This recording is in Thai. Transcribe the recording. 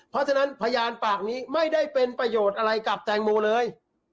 เพราะฉะนั้นพยานปากนี้ไม่ได้เป็นประโยชน์อะไรกับแตงโมเลย